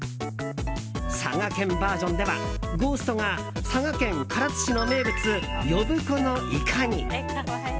佐賀県バージョンではゴーストが佐賀県唐津市の名物呼子のイカに。